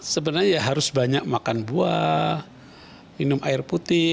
sebenarnya ya harus banyak makan buah minum air putih